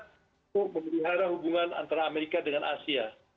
untuk memelihara hubungan antara amerika dengan asia